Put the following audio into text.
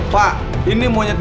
pak ini monyetnya